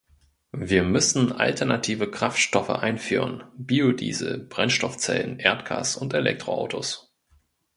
Wir müssen alternative Kraftstoffe einführen Biodiesel, Brennstoffzellen, Erdgas und Elektroautos.